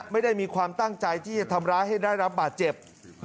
ไม่ได้มีความตั้งใจที่จะทำร้ายให้ได้รับบาดเจ็บ